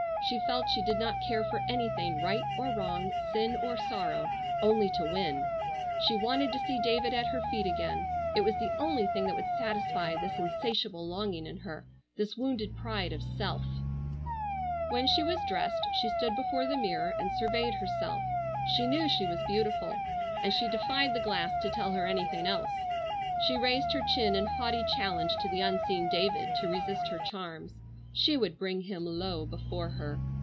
She felt she did not care for anything, right or wrong, sin or sorrow, only to win. She wanted to see David at her feet again. It was the only thing that would satisfy this insatiable longing in her, this wounded pride of self. When she was dressed she stood before the mirror and surveyed herself. She knew she was beautiful, and she defied the glass to tell her anything else. She raised her chin in haughty challenge to the unseen David to resist her charms. She would bring him low before her.